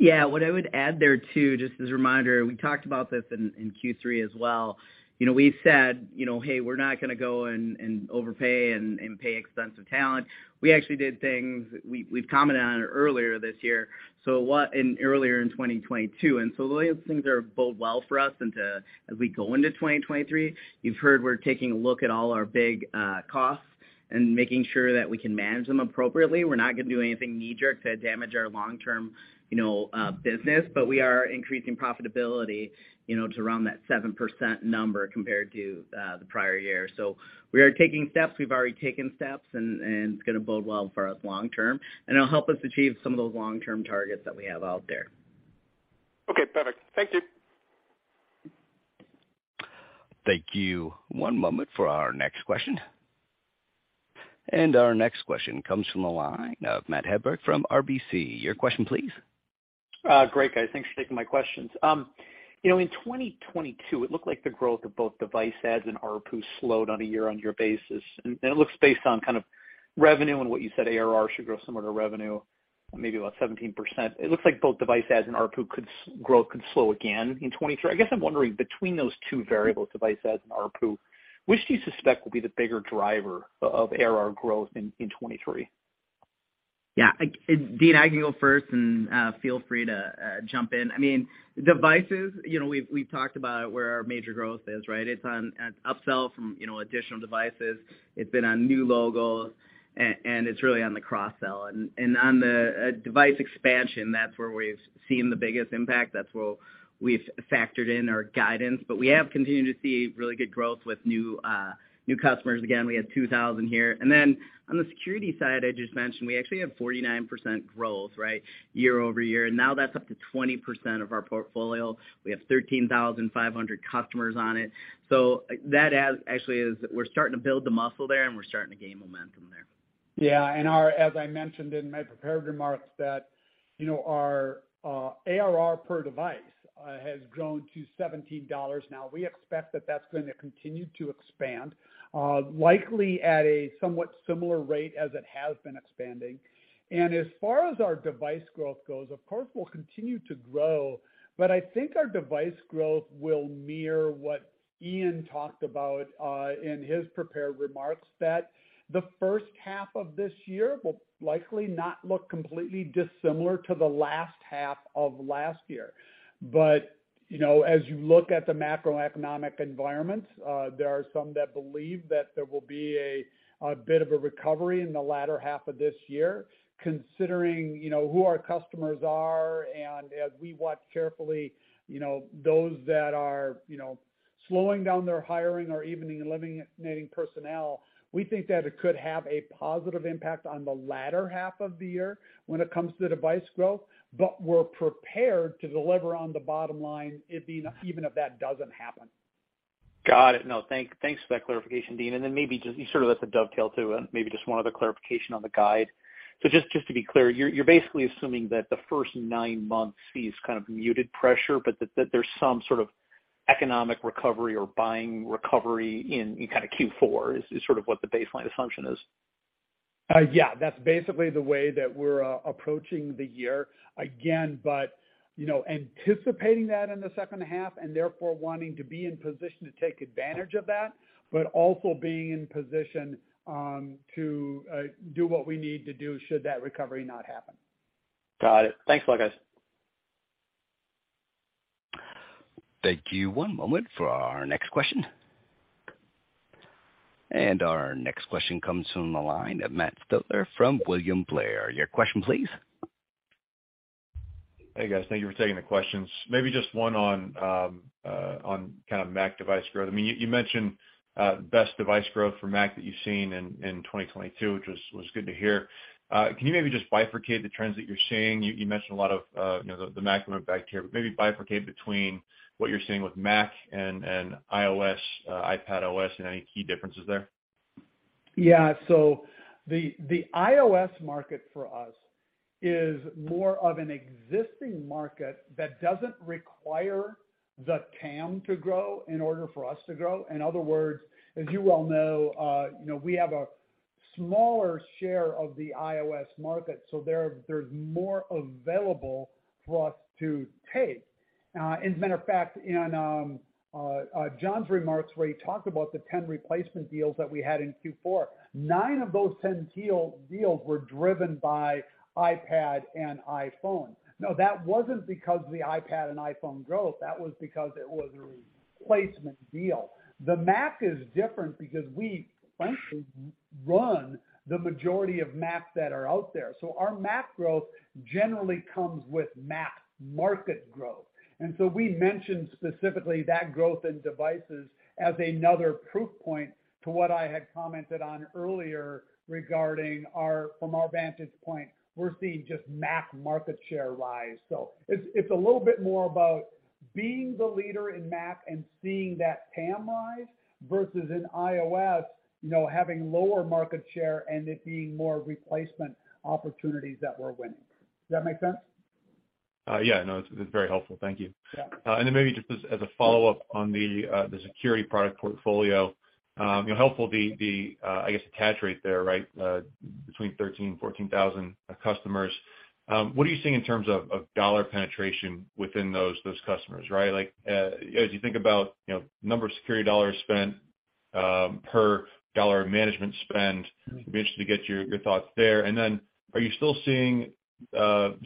Yeah. What I would add there too, just as a reminder, we talked about this in Q3 as well. You know, we've said, you know, Hey, we're not gonna go and overpay and pay expensive talent. We actually did things we've commented on it earlier this year, so what, and earlier in 2022. The way things are bode well for us into, as we go into 2023, you've heard we're taking a look at all our big costs and making sure that we can manage them appropriately. We're not gonna do anything knee-jerk to damage our long-term, you know, business. We are increasing profitability, you know, to around that 7% number compared to the prior year. We are taking steps. We've already taken steps and it's going to bode well for us long term, and it'll help us achieve some of those long-term targets that we have out there. Okay. Perfect. Thank you. Thank you. One moment for our next question. Our next question comes from the line of Matthew Hedberg from RBC. Your question please. Great, guys. Thanks for taking my questions. You know, in 2022, it looked like the growth of both device adds and ARPU slowed on a year-over-year basis. It looks based on kind of revenue and what you said ARR should grow similar to revenue. Maybe about 17%. It looks like both device adds and ARPU growth could slow again in 2023. I guess I'm wondering, between those two variables, device adds and ARPU, which do you suspect will be the bigger driver of ARR growth in 2023? Yeah. I, Dean, I can go first, feel free to jump in. I mean, devices, you know, we've talked about where our major growth is, right? It's on an upsell from, you know, additional devices. It's been on new logos, and it's really on the cross-sell. On the device expansion, that's where we've seen the biggest impact. That's where we've factored in our guidance. We have continued to see really good growth with new customers. Again, we had 2,000 here. On the security side, I just mentioned, we actually have 49% growth, right, year-over-year. That's up to 20% of our portfolio. We have 13,500 customers on it. That actually is, we're starting to build the muscle there, and we're starting to gain momentum there. As I mentioned in my prepared remarks that, you know, our ARR per device has grown to $17 now. We expect that that's gonna continue to expand, likely at a somewhat similar rate as it has been expanding. As far as our device growth goes, of course, we'll continue to grow, but I think our device growth will mirror what Ian talked about in his prepared remarks, that the first half of this year will likely not look completely dissimilar to the last half of last year. You know, as you look at the macroeconomic environment, there are some that believe that there will be a bit of a recovery in the latter half of this year. Considering, you know, who our customers are, as we watch carefully, you know, those that are, you know, slowing down their hiring or even eliminating personnel, we think that it could have a positive impact on the latter half of the year when it comes to device growth, we're prepared to deliver on the bottom line even if that doesn't happen. Got it. No, thanks for that clarification, Dean. Then maybe just you sort of let the dovetail to maybe just one other clarification on the guide. Just to be clear, you're basically assuming that the first nine months sees kind of muted pressure, but that there's some sort of economic recovery or buying recovery in kind of Q4 is sort of what the baseline assumption is? Yeah, that's basically the way that we're approaching the year. Again, you know, anticipating that in the second half and therefore wanting to be in position to take advantage of that, but also being in position to do what we need to do should that recovery not happen. Got it. Thanks a lot, guys. Thank you. One moment for our next question. Our next question comes from the line of Matthew Stotler from William Blair. Your question, please. Hey, guys. Thank you for taking the questions. Maybe just one on kind of Mac device growth. I mean, you mentioned best device growth for Mac that you've seen in 2022, which was good to hear. Can you maybe just bifurcate the trends that you're seeing? You mentioned a lot of, you know, the Mac coming back here, but maybe bifurcate between what you're seeing with Mac and iOS, iPadOS, and any key differences there. The iOS market for us is more of an existing market that doesn't require the TAM to grow in order for us to grow. In other words, as you well know, you know, we have a smaller share of the iOS market, so there's more available for us to take. As a matter of fact, in John's remarks, where he talked about the 10 replacement deals that we had in Q4, nine of those 10 deals were driven by iPad and iPhone. That wasn't because the iPad and iPhone growth. That was because it was a replacement deal. The Mac is different because we essentially run the majority of Macs that are out there. Our Mac growth generally comes with Mac market growth. We mentioned specifically that growth in devices as another proof point to what I had commented on earlier regarding our, from our vantage point, we're seeing just Mac market share rise. It's, it's a little bit more about being the leader in Mac and seeing that TAM rise versus in iOS, you know, having lower market share and it being more replacement opportunities that we're winning. Does that make sense? Yeah, no, it's very helpful. Thank you. Yeah. Maybe just as a follow-up on the security product portfolio, you know, helpful the, I guess, attach rate there, right, between 13,000-14,000 customers. What are you seeing in terms of dollar penetration within those customers, right? Like, as you think about, you know, number of security dollars spent, per dollar of management spend, be interested to get your thoughts there. Are you still seeing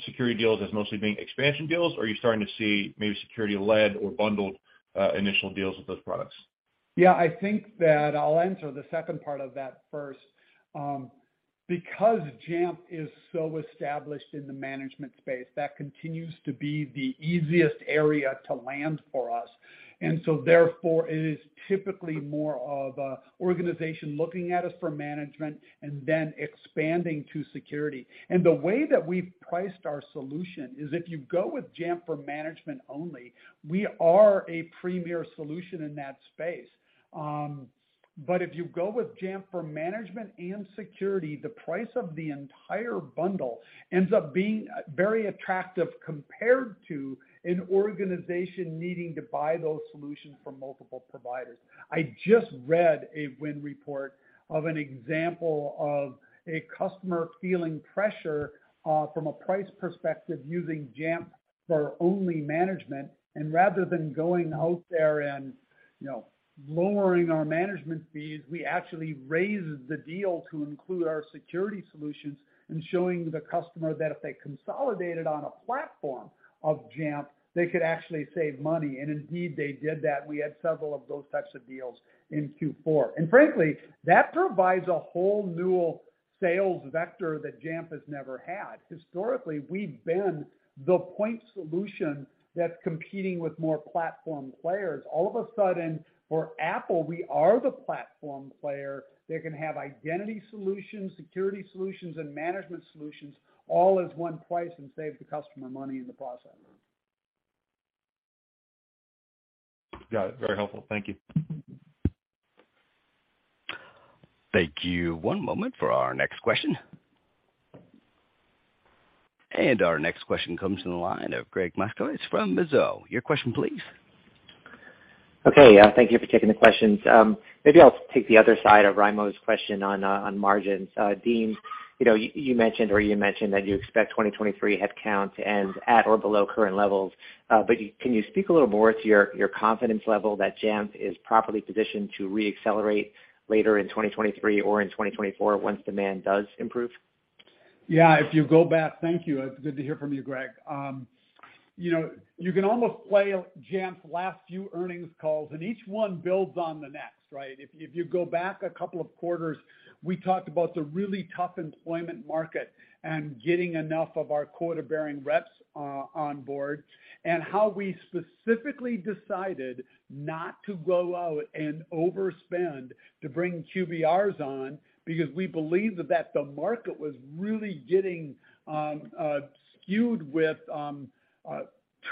security deals as mostly being expansion deals, or are you starting to see maybe security-led or bundled, initial deals with those products? Yeah. I think that I'll answer the second part of that first. Because Jamf is so established in the management space, that continues to be the easiest area to land for us. Therefore, it is typically more of an organization looking at us for management and then expanding to security. The way that we've priced our solution is if you go with Jamf for management only, we are a premier solution in that space. If you go with Jamf for management and security, the price of the entire bundle ends up being very attractive compared to an organization needing to buy those solutions from multiple providers. I just read a win report of an example of a customer feeling pressure, from a price perspective using Jamf for only management, and rather than going out there and you know, lowering our management fees, we actually raised the deal to include our security solutions and showing the customer that if they consolidated on a platform of Jamf, they could actually save money. Indeed they did that. We had several of those types of deals in Q4. Frankly, that provides a whole new sales vector that Jamf has never had. Historically, we've been the point solution that's competing with more platform players. All of a sudden, for Apple, we are the platform player. They can have identity solutions, security solutions, and management solutions all as one price and save the customer money in the process. Got it. Very helpful. Thank you. Thank you. One moment for our next question. Our next question comes from the line of Gregg Moskowitz from Mizuho. Your question, please. Okay. Thank you for taking the questions. Maybe I'll take the other side of Raimo's question on on margins. Dean, you know, you mentioned that you expect 2023 headcount to end at or below current levels, but can you speak a little more to your confidence level that Jamf is properly positioned to re-accelerate later in 2023 or in 2024 once demand does improve? Yeah. Thank you. It's good to hear from you, Greg. You know, you can almost play Jamf's last few earnings calls, and each one builds on the next, right? If you go back a couple of quarters, we talked about the really tough employment market and getting enough of our quota-bearing reps on board, and how we specifically decided not to go out and overspend to bring QBRs on because we believe that the market was really getting skewed with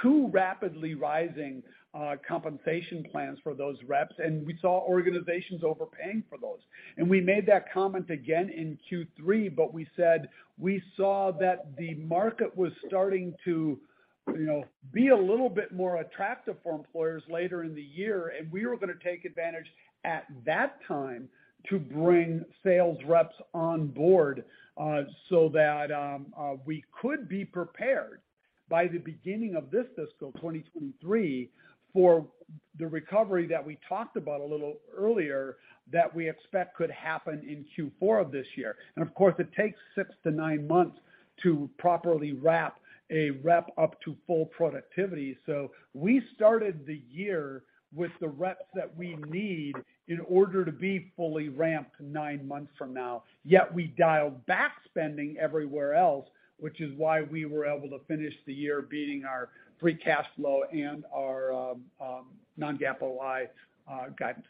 too rapidly rising compensation plans for those reps. We saw organizations overpaying for those. We made that comment again in Q3, but we said we saw that the market was starting to, you know, be a little bit more attractive for employers later in the year, and we were gonna take advantage at that time to bring sales reps on board, so that we could be prepared by the beginning of this fiscal 2023, for the recovery that we talked about a little earlier, that we expect could happen in Q4 of this year. Of course, it takes six to nine months to properly wrap a rep up to full productivity. We started the year with the reps that we need in order to be fully ramped nine months from now, yet we dialed back spending everywhere else, which is why we were able to finish the year beating our free cash flow and our non-GAAP LI guidance.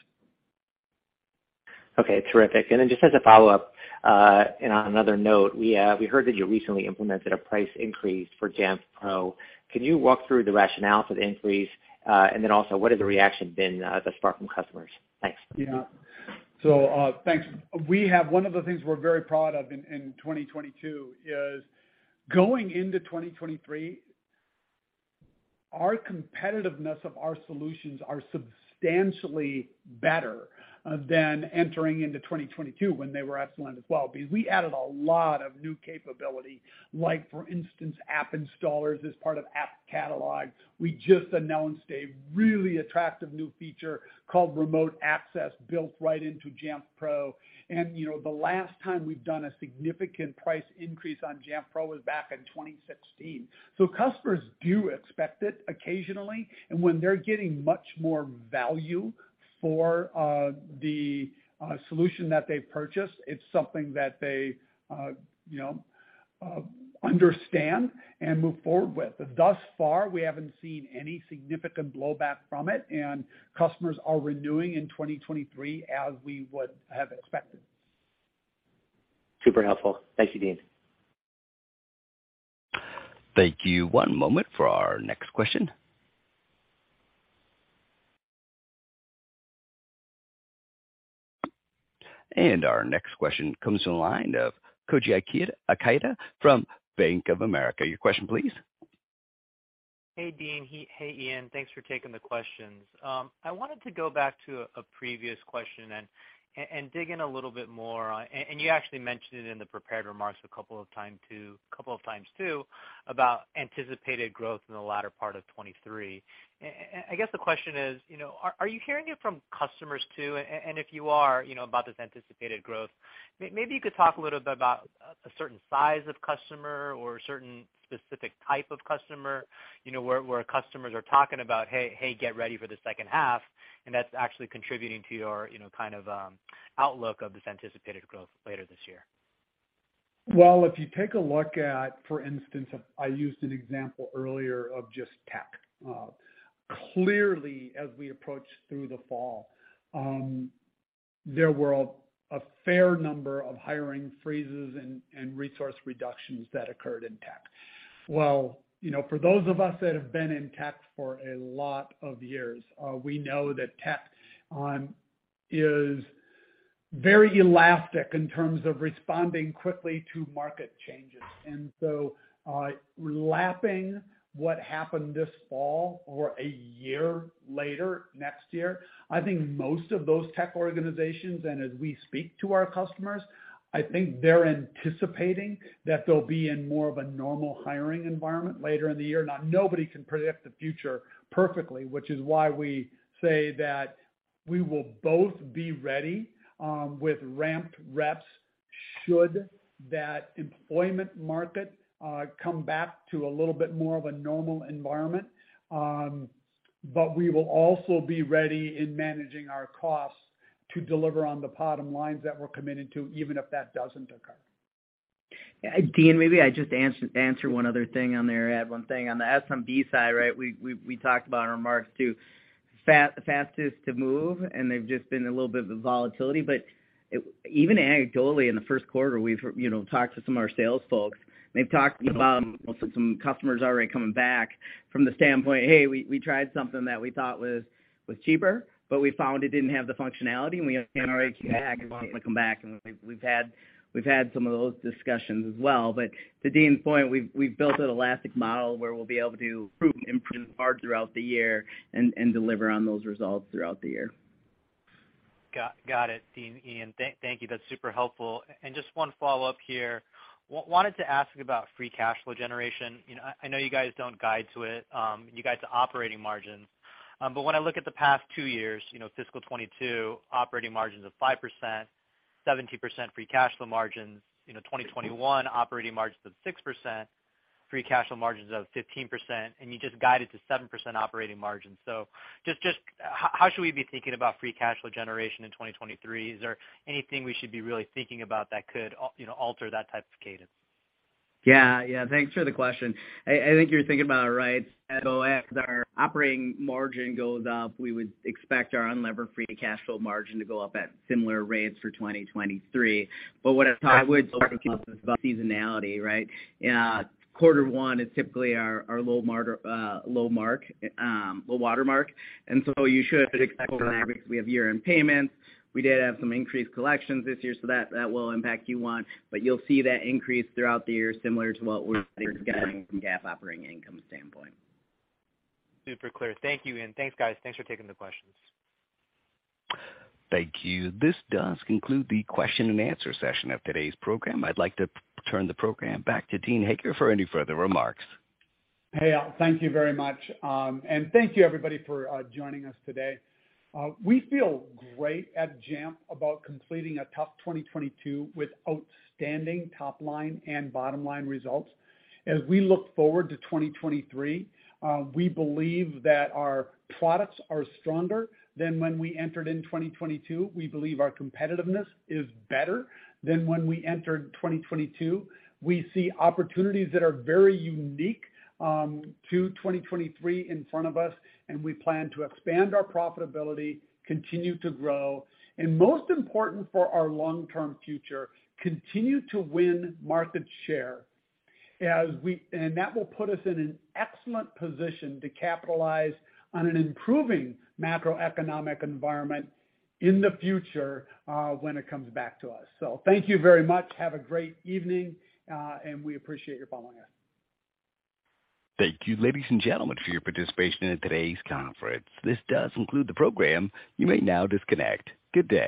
Okay. Terrific. Just as a follow-up, and on another note, we heard that you recently implemented a price increase for Jamf Pro. Can you walk through the rationale for the increase? Also, what has the reaction been thus far from customers? Thanks. Yeah. Thanks. One of the things we're very proud of in 2022 is going into 2023, our competitiveness of our solutions are substantially better than entering into 2022 when they were excellent as well, because we added a lot of new capability, like, for instance, App Installers as part of App Catalog. We just announced a really attractive new feature called Remote Assist built right into Jamf Pro. You know, the last time we've done a significant price increase on Jamf Pro was back in 2016. Customers do expect it occasionally. When they're getting much more value for the solution that they purchased, it's something that they, you know, understand and move forward with. Thus far, we haven't seen any significant blowback from it, and customers are renewing in 2023 as we would have expected. Super helpful. Thank you, Dean. Thank you. One moment for our next question. Our next question comes from the line of Koji Ikeda from Bank of America. Your question, please. Hey, Dean. Hey, Ian. Thanks for taking the questions. I wanted to go back to a previous question and dig in a little bit more. You actually mentioned it in the prepared remarks a couple of times too, about anticipated growth in the latter part of 2023. I guess the question is, you know, are you hearing it from customers too? If you are, you know, about this anticipated growth, maybe you could talk a little bit about a certain size of customer or a certain specific type of customer, you know, where customers are talking about, "Hey, get ready for the second half," and that's actually contributing to your, you know, kind of, outlook of this anticipated growth later this year. Well, if you take a look at, for instance, I used an example earlier of just tech. Clearly, as we approach through the fall, there were a fair number of hiring freezes and resource reductions that occurred in tech. Well, you know, for those of us that have been in tech for a lot of years, we know that tech is very elastic in terms of responding quickly to market changes. Lapping what happened this fall or a year later next year, I think most of those tech organizations, and as we speak to our customers, I think they're anticipating that they'll be in more of a normal hiring environment later in the year. Nobody can predict the future perfectly, which is why we say that we will both be ready, with ramped reps, should that employment market come back to a little bit more of a normal environment, but we will also be ready in managing our costs to deliver on the bottom lines that we're committed to, even if that doesn't occur. Yeah, Dean, maybe I just answer one other thing on there. Add one thing. On the SMB side, right, we talked about our remarks too. Fastest to move, and they've just been a little bit of a volatility, but even anecdotally, in the Q1, we've, you know, talked to some of our sales folks, and they've talked about some customers already coming back from the standpoint, "Hey, we tried something that we thought was cheaper, but we found it didn't have the functionality, and we have already come back, and we wanna come back." We've had some of those discussions as well. To Dean's point, we've built an elastic model where we'll be able to improve and improve hard throughout the year and deliver on those results throughout the year. Got it, Dean, Ian. Thank you. That's super helpful. Just one follow-up here. Wanted to ask about free cash flow generation. You know, I know you guys don't guide to it, you guys operating margins. When I look at the past two years, you know, fiscal 2022 operating margins of 5%, 17% free cash flow margins. You know, 2021 operating margins of 6%, free cash flow margins of 15%, and you just guided to 7% operating margins. Just how should we be thinking about free cash flow generation in 2023? Is there anything we should be really thinking about that could, you know, alter that type of cadence? Yeah. Yeah. Thanks for the question. I think you're thinking about it right. As OS, our operating margin goes up, we would expect our Unlevered Free Cash Flow margin to go up at similar rates for 2023. What I would talk about seasonality, right? Q1 is typically our low mark, low watermark. You should expect over there, because we have year-end payments. We did have some increased collections this year, so that will impact Q1. You'll see that increase throughout the year, similar to what we're getting from GAAP Operating Income standpoint. Super clear. Thank you, Ian. Thanks, guys. Thanks for taking the questions. Thank you. This does conclude the question and answer session of today's program. I'd like to turn the program back to Dean Hager for any further remarks. Hey, Al, thank you very much. Thank you everybody for joining us today. We feel great at Jamf about completing a tough 2022 with outstanding top line and bottom line results. We look forward to 2023, we believe that our products are stronger than when we entered in 2022. We believe our competitiveness is better than when we entered 2022. We see opportunities that are very unique to 2023 in front of us, and we plan to expand our profitability, continue to grow, and most important for our long-term future, continue to win market share. That will put us in an excellent position to capitalize on an improving macroeconomic environment in the future, when it comes back to us. Thank you very much. Have a great evening, and we appreciate your following us. Thank you, ladies and gentlemen, for your participation in today's conference. This does conclude the program. You may now disconnect. Good day.